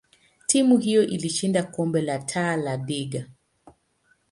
timu hiyo ilishinda kombe la Taa da Liga.